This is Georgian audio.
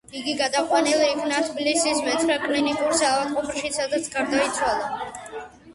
იგი გადაყვანილ იქნა თბილისის მეცხრე კლინიკურ საავადმყოფოში, სადაც გარდაიცვალა.